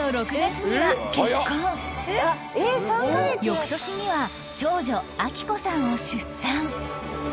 翌年には長女明子さんを出産